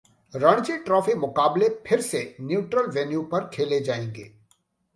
Ranji trophy मुकाबले फिर से न्यूट्रल वेन्यू पर खेले जाएंगे